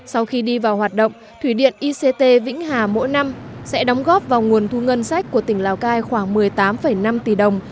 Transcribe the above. sau khi đi vào hoạt động thủy điện ict vĩnh hà mỗi năm sẽ đóng góp vào nguồn thu ngân sách của tỉnh lào cai khoảng một mươi tám năm tỷ đồng